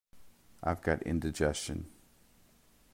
I've got indigestion.